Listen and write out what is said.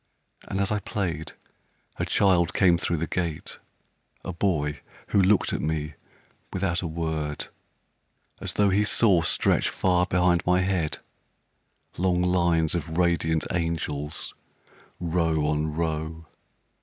And as I played, a child came thro' the gate, A boy who looked at me without a word, As tho' he saw stretch far behind my head Long lines of radiant angels, row on row.